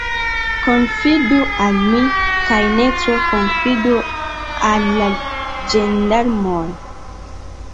Konfidu al mi, kaj ne tro konfidu al la ĝendarmoj.